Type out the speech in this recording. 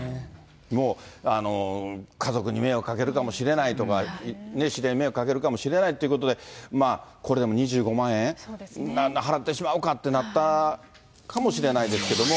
もう、家族に迷惑かけるかもしれないとか、知り合いに迷惑かけるかもしれないっていうことで、これ、でも２５万円？払ってしまおうかってなったのかもしれないですけど。